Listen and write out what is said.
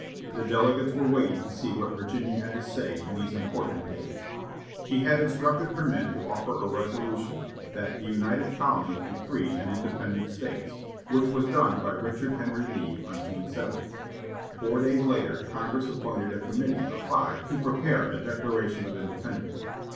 The delegates were waiting to see what Virginia had to say in these important days. She had instructed her men to offer a resolution that "the United Colonies be free and independent States," which was done by Richard Henry Lee, on June 7. Four days later, Congress appointed a committee of five to prepare a Declaration of Independence.